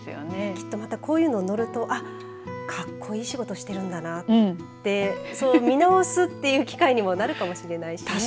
こういうの乗るとかっこいい仕事をしているんだなって見直すという機会にもなるかもしれないしね。